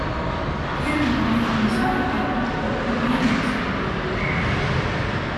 Kirvega võib nii sarikad kokku kui ka inimese maha lüüa.